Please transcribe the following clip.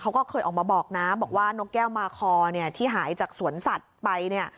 เขาก็เคยออกมาบอกนะบอกว่านกแก้วมาคอเนี่ยที่หายจากสวนสัตว์ไปเนี่ย